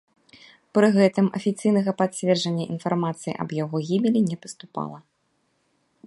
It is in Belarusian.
Пры гэтым афіцыйнага пацверджання інфармацыі аб яго гібелі не паступала.